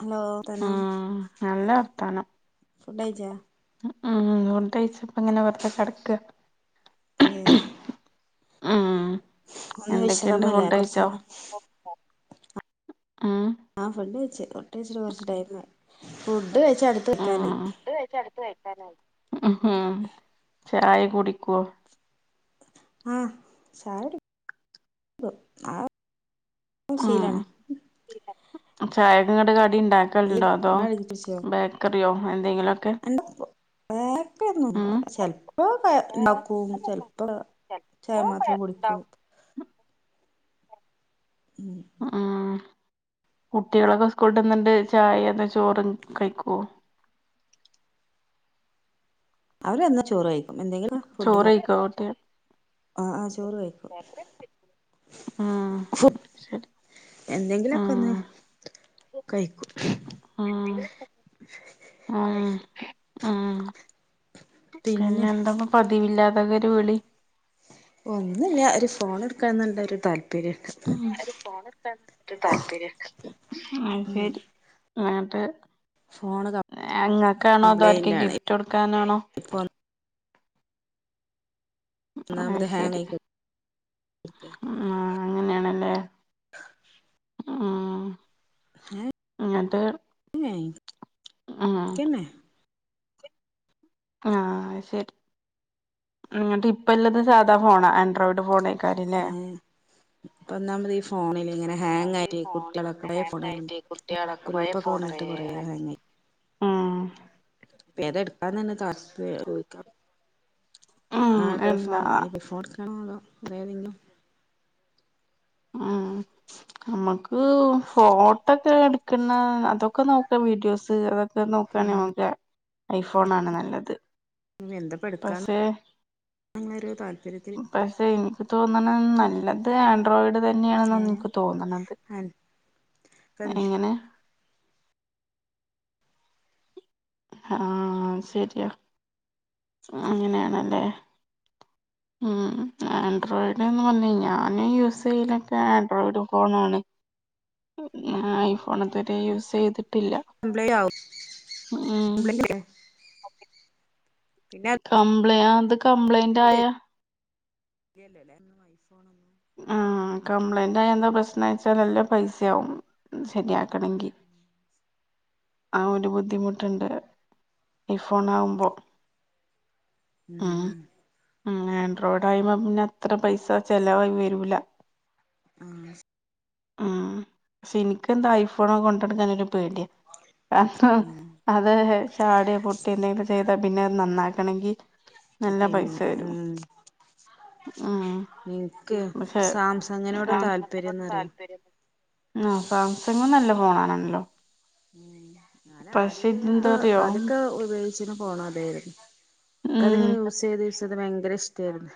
Hello [unintelligible] ഉം നല്ല വർത്താനം ഫുഡയിച്ചോ ആ ഉംണ്ടഴിച്ച്പ്പ ങ്ങനെ വെറുത കിടക്കാണ് ഏ ഉം ഒന്ന് എന്തൊക്കെയുണ്ട് വിശ്രമല്ലേ ഫുഡ് കുറച്ച കഴിച്ചോ നേേരം ഉം ആഹ ഫുഡ് ഴിച്ച് ഫുഡയി ചിട്ട് കൊറച്ച് ടൈം ആയിഫുഡ് കഴിച്ച് അടുത്ത് വെക്കാാനായി ഉ ഹം ചായ കുടിക്കുവോ ആഹ് ചായകുടി ഉം ഒശീലാണ് ചായക്ക് ങ്ങട്ട്കടി ഈ ഉണ്ടാക്കലുണ്ടോ അതോ ബേക്കറിയോ എ [unintelligible] [unintelligible] ഉം ചെിലപ്പോ ഇണ്ടാക്കും ചെിലപ്പോ ചായ മാത്രേ കുടിക്കൂ [inaudible] ഉം കുട്ടികളൊക്കെ സ്കൂട്ടന്നിണ്ട് ചായ അന്ന ചോറും കഴിക്കോ [inaudible] അവരന്നാചോറ് കഴിക്കും എന്തെങ്കിലും ഫുഡ് ചോറ് കഴിക്കോ [unintelligible] കുട്ടികൾ ആആ് ചോറ് കഴിക്കും ഉം ഫു ശരി എന്തെങ്കിലൊക്കെ ഒന്ന് കഴിക്കും ആ ആഹ ആ പിന്നെ എന്താ പതിവില്ലാതെ ഒരു വിളി ഒന്നുമില്ല ഒരു ഫോൺ എടുക്കാ എന്നുള്ള ഒരു താൽപ [unintelligible] ആ ഫോണടുക്കാൻ ഒരുതാൽപര്യണ്ട് ആ ഉം ശരി [unintelligible] ഫോണ് എങ്ങക്കാണോ അതോ കംപ്ലൈന്റ് ആർക്ക് ആണ് ഗിഫ്റ്റ് കൊടുക്കാനാണോ ഇപ്പൊ അഹ ഒന്നാമത് ഹാങ് ശരി ആയി കെടക്കെ ആ അങ്ങനെയണല്ലേ [inaudible] ആ ഹേ തന്നെ ആ ആ അയ് ശരി എന്നിട്ട് ഇപ്പ ഇല്ലാത സാദാ ഫോണാ റോഡ് [unintelligible] ഫോൺയിക്കാരില്ലേ ഏഹ് ഇപ്പൊ ഒന്നാമതി ഫോണില് ഇങ്ങനെ ഹാങ് ആയി് കുട്ടികളക്ക ഫോണ ഗ്രൂപ്പൊക്കെ വന്നിട്ട് കുറെ ഹാങ് ആയി ആ ത എടുക്കാന്നെ താല്പര്യ ചോദിക്കാൻ ഉം [unintelligible] ത്രോ [unintelligible] എന്താ ഫോൺ എടുക്കാൻ കണ്ണോലോ [unintelligible] ആ നമ്മുക്ക് ഫോട്ടോൊക്കെ എടുക്കുന്ന അതൊക്കെ നോക്ക വീഡിയോസ് അത് നോക്കയാണ പിന്നെ നമുക്ക് ഐഫോൺ ആണ് നല്ലത് എന്താപ്പ എടുക്കാന്ന് പസെ അങ്ങനൊരു താല്പര്യത്തിൽ ഇരിക്ക പസേ എനിക്ക് തോന്നുന്നത് നല്ലത് ആൻഡ്രോയിഡ് തന്നെയാണെന്ന ഏഹ് എനിക്ക് തോന്നണത് അൻ ഇപ്പ എങ്ങനെ ആശരിയാ അങ്ങനെയാണല്ലേ [inaudible] ഉം ആൻഡ്രോയിഡ് എന്ന് പറഞ്ഞ ഞാന് യൂസ് ചെയലൊക്കെ ആൻഡ്രോയിഡ് ഫോണാണ് ഐഫോൺ ഇതുവരെ യൂസ് ചെയ്തി [unintelligible] യാവും ഉം [unintelligible] കംപ്ലൈ ത് കംപ്ലൈയിന്റ് ആയാ ഇല്ലല്ലേ [unintelligible] ഐഫോൺ ഒന്നും ആ കംപ്ലൈന്റ് ആയ എന്താ പ്രശ്നം വച്ചാൽ നല്ല പൈസവും ശരിയാ ക്കണെങ്കി ആ ഒരു ബുദ്ധിമുട്ടുണ്ട് ഐ ഫോണ ആവുമ്പോ അ ഉം ആൻഡ്രോയിഡ വുമ്പോ പിന്നെ അത്ര പൈസ ചെലവായി വരുല ആ അ ക്ഷെ എനിക്കന്താ ഐഫോണൊക്കെ കൊണ്ട് നടകാൻ ഒരു പേടിയാ ഉം [unintelligible] അത് ചാടെ പൊട്ടിയെ എന്തെങ്കിലും ചെയ്ത പിന്നെ നന്നാക്കണമെങ്കി പിന്നെ ഉം ഉം ഉ പക്ഷെ ഉം സംസിഗിനോട് താല്പര്യം ആ സാംസങ്ങും നല്ല ഫോ പോണ ല്ലോ ഉ ഞാൻ ആദ്യൊക്കെ ഇതെന്താറിയോ അതൊക്കെ ഉപയോഗിച്ചിന് ഫോൺ അദെയ്രുനു ക് അത് ഉം ങ്ങനെ യൂസ് ചെയ്ത് യൂസ് ചെയത് ഭയങ്കര ഇഷ്ടയിരുന്നു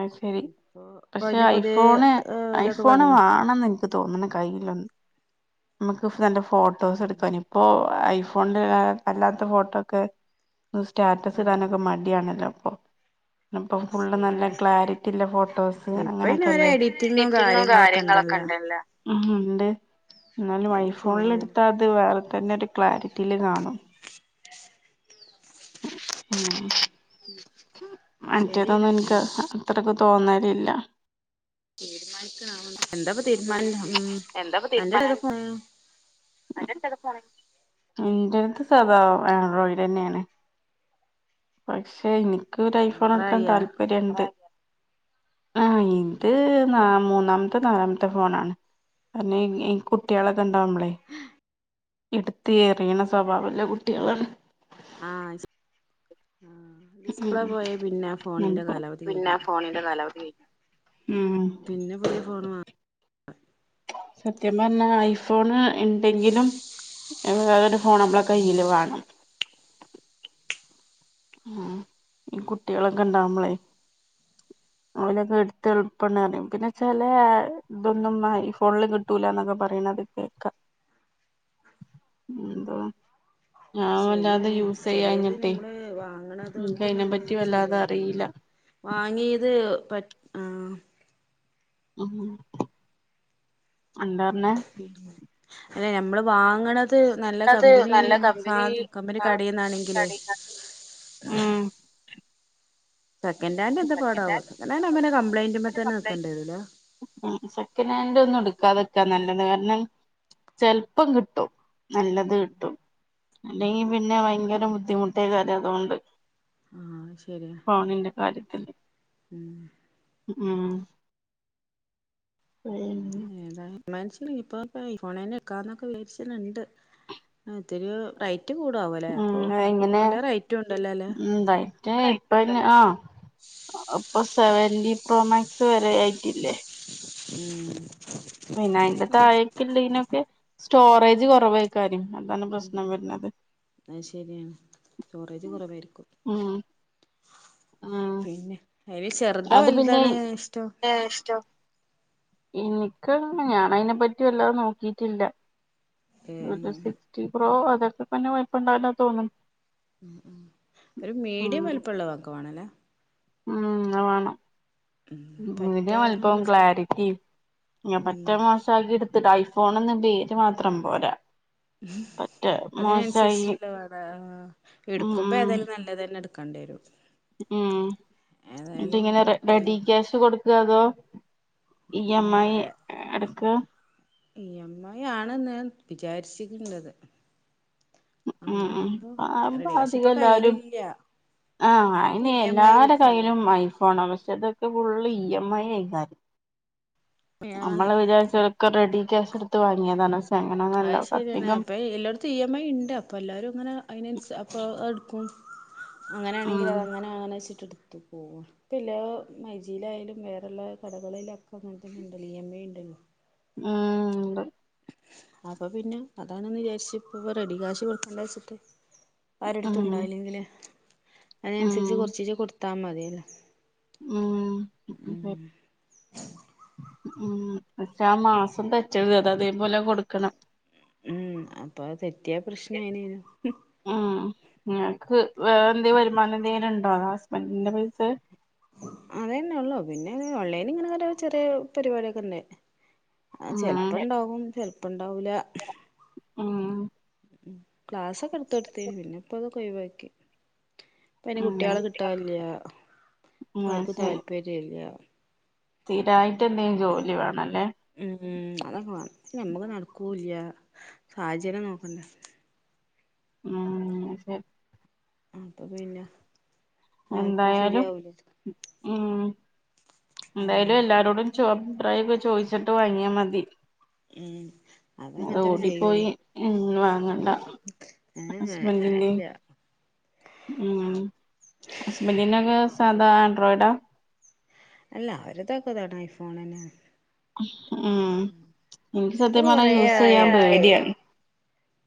അത് ശരി ഇപ്പൊ പക്ഷെ പ്പഅതിന്റെ പുതിയ ഐഫോണ് ഇതൊക്കെ ഐഫോണ് വന്ന് വേണന്ന് എനിക്ക് തോന്നണ് കയ്യിലൊന്ന് നമുക്ക് ഫ്രണ്ട് ഫോട്ടോസ് എടുക്കൻ ഇപ്പോ ഐഫോണിലെ അല്ലാത്ത ഫോട്ടോ ക്കെ സ്റ്റാറ്റസ് ഇടാനൊക്കെ ആഹ് മടിയാണല്ലോ [unintelligible] അപ്പം ഫുള്ള് നല്ല ശരിയാണ് ക്ലാരിറ്റില്ല ഫോട്ടോസ് ഇപ്പൊ ഇനി ഓരോ അങ്ങനെക്കെല്ലേ എഡിറ്റിങ്ങും എഡിറ്റുകളും കാര്യങ്ങളൊക്കെ കാര്യങ്ങളും ഉണ്ടല്ലോ ക്കണ്ടല്ലേ മ് ഉണ്ട് എന്നാലും ഏത് ഫോൺ ഐഫോണിൽ ആയാലും എടുത്താൽത് വേറെ തന്നെ ഒരു ക്ലാരിറ്റിയില് കാണും മ് ശരിയാണ് മറ്റേതൊന്നും എനിക്ക് അത്രക്ക് തോന്നലില്ല തീരുമാനിക്ക വം എന്താപ്പ തീരുമാന എന്താപ്പ തീരുമാന് [unintelligible] അന്റെ അടുത്ത് ഏത ഫോൺ യെന്തടുത്ത് സദാ ആൺറോയിഡ തന്നെയാണ് പക്ഷെ എനി ക് ഒരു ഐഫോൺ എടുക്കാൻ നമ്പറായ താല്പര്യണ്ട് ആ എനി ഇത് ന മൂന്നാമത്തെ നാലാമത്തെ ഫോണാണ് കരണംഇ കുട്ടികളൊക്കെ ഇണ്ടാവുമ്പൾ ഇടുത്തയറിയണ സ്വഭാവംല്ലേ കുട്ടികളാണ് ആ ശേ ആ ഡിസ്പ്ലേ പോയ പിന്നെഅ ഉം ഫോണിന്റെ അപ്പൊ കാലാവധി കഴിഞ്ഞു ഉം പിന്നെ ഒരു ഫോണ് വാങ്ങ സത്യം പറഞ്ഞാ ഐഫോണ് ഇണ്ടെങ്കിലും വേ ഫ് ഫോൺ നമ്മളെ കയ്യിൽ വേണം അ ഇ കുട്ടികളൊക്കെ ഇണ്ടാവുമ്പൾ ഒലൊക്കെ എടുത്ത് എളുപ്പം എറിയും പിന്നെ ചേലെ ഇതൊന്നും ആഹ് ഫോണിൽ കിട്ടു ട്ടൂല എന്നൊക്കെ പറയണുന്നത് കേക്ക എന്ത ശരിയാണ് ചെലെത് നമ്മള് വ എനിക്ക് വാഗുണദോത്ത്ന്ന് അയിനെ പറ്റി അല്ലെങ്കിലും വല്ലാതെ ശരിയാവൂല അറിയില്ല വാങ്ങിത് ത് പത് ആ ആ എന്താ റഞ്ഞേ അല്ലെ നമ്മള് വാങ്ങണ ത് നല്ല കമ്പനി സ കമ്പനി കടിയന്നാണെങ്കിലേ ഉം സെക്കൻഡ ഹാൻ് എന്ത പാടാവോ സെക്കഡ് അവന കംപ്ലയിന്റ് തന്നെ നിക്കണ്ടരല്ലോ ഉം സെക്കൻഡ് ഹാൻഡ് ഒന്നും എടുക്കാതൊക്കാ നല്ലത് കാരണം ചെിലപ്പം കിട്ടും നല്ലത് കിട്ടും അല്ലെങ്കിൽ പിന്നെ ഭയങ്കര ബുദ്ധിമുട്ടേ കാര്ം അതുകൊണ്ട് ആ ശരിയാ [inaudible] ഉം ഉം [unintelligible] [unintelligible] ഒത്തിരി റൈ റ്റ് കൂടവല്ലേ ഉം അപ്പൊ ഇ പലെ റെയ്റ്റ് ഉണ്ടല്ലോ അല്ലേ എ പ്പ അയിൻ ആ [unintelligible] സെവൻ ഡി പ്രോമാക്സ് വരെ ആയിട്ടില്ലേ ഉം പിന്നെ അന്റെ താഴൊക്കള്ള ഇതിനൊക്കെ സ്റ്റോറേജ് കുറവായിക്കാര്യം അതാണ് പ്രശ്നം വരുന്നത് അ ശരിയാണ് സ്റ്റോറേജ് കുറവായിരിക്കും ഉം ഉം പിന്നെ അതിന് ചെറുതാ അത് പിന്നെ വലുതണ ഇഷ്ടം എനിക്ക് ഞൻ അതിനെ പറ്റി വല്ലാതെ നോക്കിട്ടില്ല ഏ ഒരു സിക്സ്റ്റി പ്രോ അതൊക്കെ പിന്നെ വയപ്പണ്ടോ തോന്നും ഉം ഉം ഒരു മീഡിയം ഉം വലുപ്പമുള്ള വക്കവാണല്ലേ ഉം അ വേണം ഉം മീഡിയ പറ്റാന്ന് ല്പം ക്ലാരിറ്റി ഞാൻ പറ്റ ഉം മാസംക്കിടു ട്ട് ഐഫോൺന്ന് പേര് മാത്രം പോരാ ഉം പറ്റ മോശായി അതിനനുസരിച്ചില്ല വേട ഉം എടുക്കുമ്പോ ഉം ഏതായാലും നല്ലത് തന്നെ എടു കണ്ടിയരും ഉം എന്നട്ട ഇങ്ങനെ റെഡി എടുക്കല്ലേ ക്യാഷ് കൊടുക്കുക അതോ ഇ എംഐ എടുക്ക ഈ മ് ഐ ഞാൻ വിചാരിച്ചിണ്ടത് ഉം ഉം അങ്ങനൊവകുമ്പോ റെഡ കാശ ഇപ്പൊ കയ്യിലല്ല ആ അയിന് എല്ലരുടെ കയ്യിലും ഐഫോൺ അവസ്ഥ [unintelligible] ഫുള്ള് ഇ എം ഐ ആയി കാര്യം ആണ് നമ്മള് വിചാരിച്ചൊക്കെ റെഡി ക്യാഷ എടുത്ത് വാങ്ങിയതാണ് അങ്ങനൊന്നല്ല അത് ശരിയാണ് അധികം അപ്പൊ എല്ലായിടത്തും ഇ എം ഐ ഇണ്ട് അപ്പൊ എല്ലരും അങ്ങനെ അതിനന്സ അപ്പോൾ അത എടുക്കും ഉം അങ്ങനൊണെങ്കിൽ അത അങ്ങനെ അങ്ങനെ വെച്ചിട്ട എടുക്ക് പോവും ഇപില്ലാ മൈജിയിലായാലും വേറെള്ള കടകളിലൊക്കെ അങ്ങനെ തന്നെ ഉണ്ടല്ലോ ഇമ്മൈ ഉണ്ടല്ലോ? ആഹ് ഒണ്ട്- അപ്പൊ പിന്നെ അതാണെന്ന് വിചാരിച്ച് ഇപ്പ പ്പ റെഡി കാശ് കൊടുക്കണ്ട വെച്ചിട്ട്- ഉം ആരെടുത്തുണ്ടായില്ലെങ്കില് അതിനനുസരിച്ച് കൊറച്ചീച കൊടുത്താ മതിയല്ലോ? ഉം ഉം- ഉം പക്ഷെ ആ മാസം തെറ്റരുത് അത അതേപലെ കൊടുക്കണം- ഉം അപ്പ തെറ്റിയ പ്രശ്നം അയിനു- മ് നിക്ക് വേറെന്തേലും വരുമാനം എന്തെങ്കിലും ഉണ്ടോ തോ ഹസ്ബൻഡിന്റെ പൈസ - അതേന്നെ ഒള്ളു പിന്നെ ഓൾലൈനി ഇങ്ങനെ ഓരോ ചെറിയ പരിപാടൊക്കെ ഒണ്ടേ- ആഹ് ചെൽപ്പ ഉം ഉണ്ടാവും ചെലപ്പ ഉണ്ടാവൂല- ഉം ഉം ക്ലാസ്സൊക്കെ എടുത്ത് കൊടാത്ത് പിന്ന്പ്പംഅതൊക്കെഴിവാക്കി- പിന്നെ കുട്ട്യാളെ ഉം കിട്ടാല്ല്യാ. ആ ആർക്കു ശരി താല്പര്യ ഇല്ല. സ്ഥിരായിട്ട് എന്തെ ജോലി വേണല്ലേ? ഉം അതൊക്കെ വാണം. നമ്മക്ക് നട്ക്കൂല്ല. സാഹചര്യം നോക്കണ്ടേ. ആഹ് തെ. അപ്പൊ പിന്നെ. ആർക്കും എന്തായാലും ശരിയാവൂല ഉം ഉം എന്തായാലും എല്ലാരോടും ചോ ഭ്പ്രായൊക്കെ ചോയ്ച്ച്ട്ട് വാങ്ങിയാ മതി. ഉം അതങ്ങനെ അത് ഓടിപ്പോയി ഇന്ന് വാങ്ങണ്ട. ഹസ്ബൻഡിന്റെയും ഇല്ലല്ല. ഉം അസ്ബന്റിന്റൊക്കെ സാധാ ആൻഡ്രോയിഡാ? അല്ല. അവര്തൊക്കെതാണ് ഐ ഫോണെന്നാണ്. ഉം ഇൻക്ക് അത് സത്യം പർഞ്ഞാ യൂസെയ്യാ പേടിയാണ്.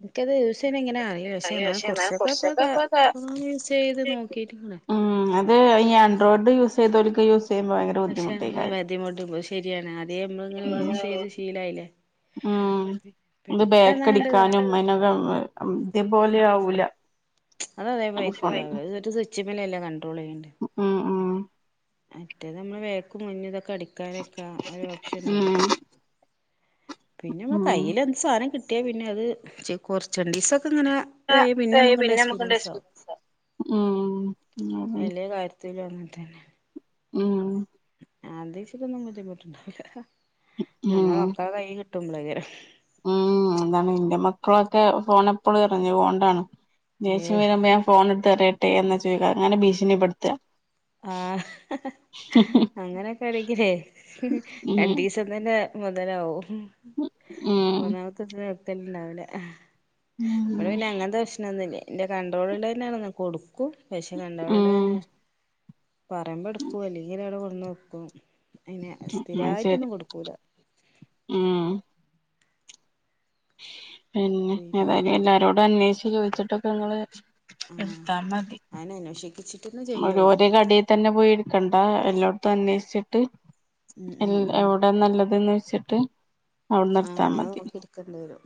ഇൻക്കത് യുസേണ എങ്ങനാ [unintelligible] കൊർച്ചൊക്കെപ്പപ്പ യൂസ് ചെയ്ത് നോക്കിയിട്ടുണ്ട് ഉം അത് അയ് ഞാൻ ഡ്രോട് യൂസെയ്‌തോൽക്ക് യൂസെയ്യുമ്പം ഭയങ്കര പക്ഷെ ബുദ്ധിമുട്ടേ ക്കാ മതിമുട്ട് ശരിയാണ്. ആദ്യേ മ്മള് ഇങ്ങനെ ചെയ്ത് ശീലായില്ലേ. ഉം ത് പെട്ടെന്ന് അങ്ങട്ട് ഇതാ ബാക്കടിക്കാനും [unintelligible] ഇതേ പോലെ ആവൂല. അത് അതേ ഫോൺ ബൈക്കേല ആവൂല. അയ് ഒരു സ്വിച്ച്മ്മലല്ലേ കൺ ട്രോളെയ്യണ്ട് ഉം ഉം മറ്റേത് പിന്നെ വേക്കും മുന്ന് ഇതൊക്കെ അടിക്കാനൊക്കെ ഒരു ഉം ഓപ്ഷൻണ്ടല്ലോ. പിന്നെ മ്മളെ ഉം കയ്യ്ല് എന്ത് സാനം കിട്ടിയ പിന്നെ അത് കൊർ ച്ചണ്ടീസൊ ക്കെങ്ങനെ പിന്നെ അമ്മക്ക് ണ്ട് എസ്പീരിയൻസ് ആവും. ഉം ഉം എല്ലേ കാര്യത്തി ത്തിലും അങ്ങൻ തന്നെ. ഉം. അത്ച്ചിട്ടൊന്നും ബുദ്ധിമുട്ടുണ്ടാവുല്ല. നമ്മളെ മക്കളെ കൈ കിട്ടുമ്പളയ്ക്കാരം. ആ അതാണ് എന്റെ മക്കളൊക്കെ ഫോണെപ്പളും എറിഞ്ഞു കൊണ്ടാണ് ദേഷ്യം ഏഹ് വരുമ്പോ ഞാൻ ഫോണെടുത്തെറിയട്ടെ എന്നാ ചോദിക്ക അങ്ങനെ ഭീഷണിപ്പെടുത്തുക ആഹ് അങ്ങനെയൊക്കെ ആണങ്കിലേ ഉം രണ്ടിസം തന്നെ മുതലാവൊ ഉം ഉം മൂന്നാമത്തെ [unintelligible] ഉം ഇവടെ പിന്നെ അങ്ങനത്തെ പ്രേശ്നവൊന്നും ഇല്ല എന്റെ കൺട്രോളുകൊണ്ട് തന്നെയങ്ങു കൊടു ക്കും പക്ഷെ കൺഡ്രോളോട് കൂടി തന്നെ ഉം പറയുമ്പോ എടുക്കും അല്ലെങ്കിലവിടെ കൊണ്ടുന്ന് വെക്കും അങ്ങനെ അത് ശരി സ്ഥിരവായിട്ടൊന്നും കൊടുക്കൂല ഉം പിന്നെ ഏതായാലും പിന്നെത്താ എല്ലാരോടും അന്വേഷിച്ച് ചോദിച്ചിട്ടൊക്കെ നിങ്ങള് ആഹ് എടുത്ത മതി അയിന് അന്വേഷിച്ചിട്ടന്നെ ഒരു ചെയ്യുള്ളൂ ഒരേ കടയിൽ തന്നെ പോയി എടുക്കണ്ട എല്ലോടത്തു അന്വേഷി ച്ചിട്ട് ഉം എൽ ഉം ഉം എവിടെ നല്ലതെന്ന് വെച്ചിട്ട് അവിടുന്ന് ആം എടുത്താ അത് മതി നോക്കി എടുക്കണ്ടെ വരും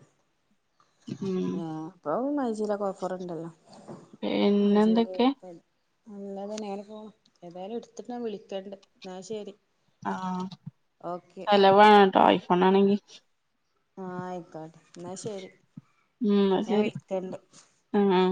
ഉം ആ ഇപ്പൊ മൈജിയിലൊക്കെ ഓഫറുണ്ടല്ലോ പിന്നെ എന്തൊക്കെ അല്ലതെ നേരെ പോണം ഏതായാലും എടുത്തിട്ടൻ വിളിക്കണ്ട എന്നാ ശരി ആഹ് ഓക്കെ ചേളവനുട്ടോ ഐഫോൺ ആണെങ്കി ആഹ് ആയിക്കോട്ടെ എന്നാ ശരി ഉം ന്നാ ഞാൻ ശരി വിളിക്കണ്ട് ആഹ്